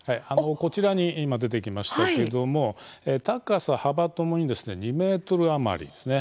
こちらに今出てきましたけども高さ、幅ともに２ｍ余りですね。